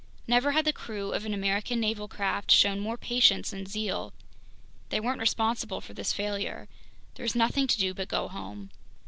Never had the crew of an American naval craft shown more patience and zeal; they weren't responsible for this failure; there was nothing to do but go home.